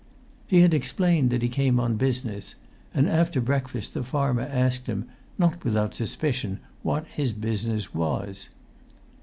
He had explained that he came on business, and after breakfast the farmer asked him, not without suspicion, what his business was.